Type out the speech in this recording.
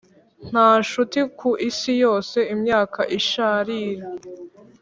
nta nshuti ku isi yose. imyaka isharira